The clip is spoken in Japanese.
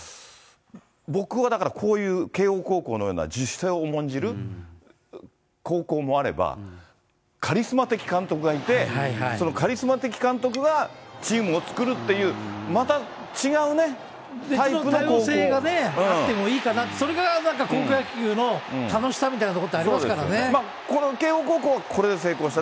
僕はだから、こういう慶応高校のような自主性を重んじる高校もあれば、カリスマ的監督がいて、そのカリスマ的監督がチームを作るっていう、また違うね、タイプの高校。あってもいいかなって、なんか高校野球の楽しさみたいなとここの慶応高校はこれで成功した。